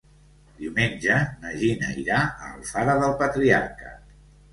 Diumenge na Gina irà a Alfara del Patriarca.